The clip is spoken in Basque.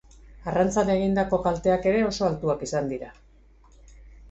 Arrantzan eragindako kalteak ere oso altuak izan dira.